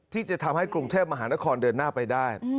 ที่จะทำให้กรุงเทพมหานครเดินหน้าไปได้